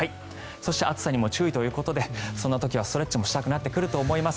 そして暑さにも注意ということでそんな時にはストレッチもしたくなってくると思います。